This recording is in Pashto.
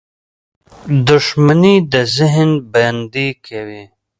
• دښمني د ذهن بندي کوي.